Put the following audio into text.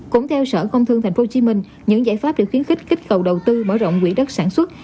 cũng theo sở công thương tp hcm những giải pháp để khuyến khích kích cầu đầu tư mở rộng quỹ đất sản xuất